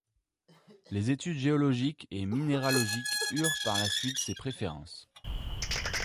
Les études géologiques et minéralogiques eurent par la suite ses préférences.